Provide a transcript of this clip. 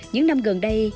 những năm gần đây